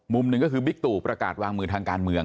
มุมหนึ่งก็คือบิ๊กตู่ประกาศวางมือทางการเมือง